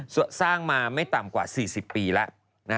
สร้างมาไม่ต่ำกว่า๔๐ปีแล้ว